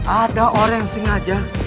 ada orang yang sengaja